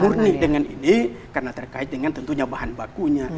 murni dengan ini karena terkait dengan tentunya bahan bakunya